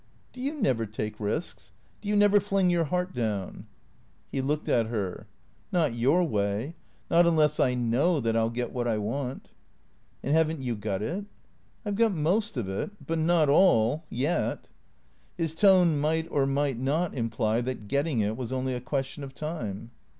"Do you never take risks? Do you never fling your heart down ?" He looked at her. "Not your way. Not unless I hiow that I '11 get what I want." " And have n't you got it ?"" I 've got most of it, but not all — yet." His tone might or might not imply that getting it was only a question of time.